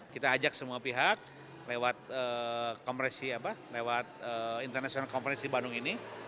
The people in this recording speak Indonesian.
kita ajak semua pihak lewat konferensi lewat konferensi internasional di bandung ini